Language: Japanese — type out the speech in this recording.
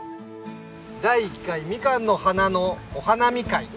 第１回みかんの花のお花見会。